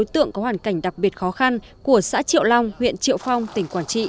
tượng có hoàn cảnh đặc biệt khó khăn của xã triệu long huyện triệu phong tỉnh quảng trị